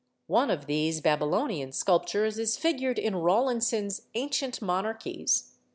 One of these Babylonian sculptures is figured in Rawlinson's 'Ancient Monarchies.